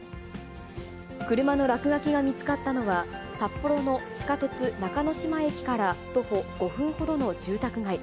車の落書きが見つかったのは、札幌の地下鉄中の島駅から徒歩５分ほどの住宅街。